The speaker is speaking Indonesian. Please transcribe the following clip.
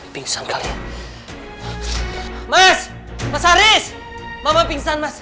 ping berlin ya kan ini area's bankomnya